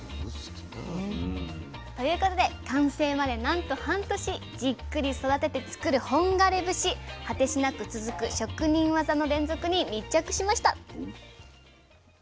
ということで完成までなんと半年じっくり育てて作る本枯節果てしなく続く職人技の連続に密着しました。